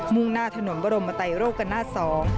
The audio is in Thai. ่งหน้าถนนบรมไตโรกนาศสอง